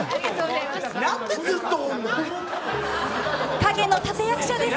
影の立役者です。